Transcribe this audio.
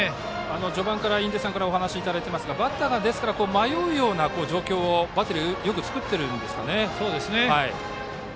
序盤からお話いただいていますがバッターが迷うような状況をバッテリーがよく作っているんでしょう。